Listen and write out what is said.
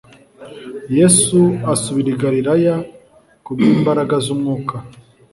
yesu asubira i galilaya kubwimbaraga z ‘ umwuka